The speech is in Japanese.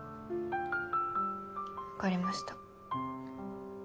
わかりました。